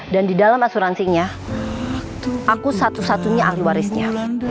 dan di dalam asuransinya aku satu satunya ars warisnya